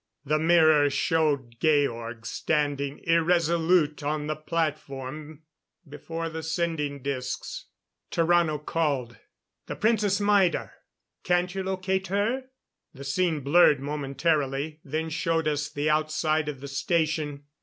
The mirror showed Georg, standing irresolute on the platform before the sending discs. Tarrano called: "The Princess Maida can't you locate her?" The scene blurred momentarily, then showed us the outside of the Station.